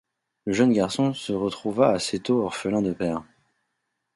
Le jeune garçon se retrouva assez tôt orphelin de père.